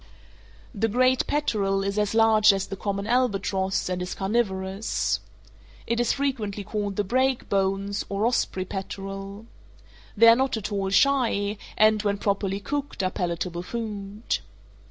The great peterel is as large as the common albatross, and is carnivorous. It is frequently called the break bones, or osprey peterel. They are not at all shy, and, when properly cooked, are palatable food.